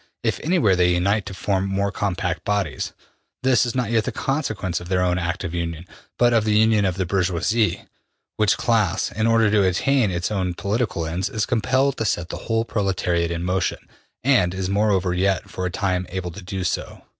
If anywhere they unite to form more compact bodies, this is not yet the consequence of their own active union, but of the union of the bourgeoisie, which class, in order to attain its own political ends, is compelled to set the whole proletariat in motion, and is moreover yet, for a time, able to do so.''